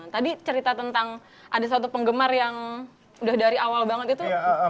tadi cerita tentang ada satu penggemar yang udah dari awal banget itu